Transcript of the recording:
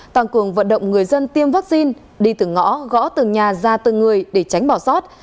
tăng cường vận động người dân tiêm vaccine đi từ ngõ gõ từng nhà ra từng người để tránh bỏ sót